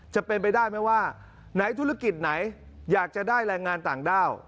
จะเป็นไปได้ไหมว่าไหนธุรกิจไหนอยากจะได้แรงงานต่างด้าว